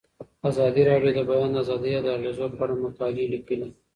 ازادي راډیو د د بیان آزادي د اغیزو په اړه مقالو لیکلي.